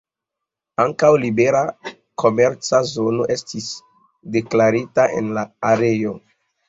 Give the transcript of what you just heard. Ankaŭ libera komerca zono estis deklarita en la areo.